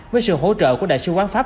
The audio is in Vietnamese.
với sự hỗ trợ của đại sứ quán pháp